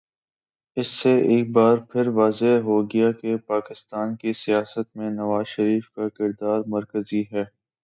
اس سے ایک بارپھر واضح ہو گیا کہ پاکستان کی سیاست میں نوازشریف کا کردار مرکزی ہے۔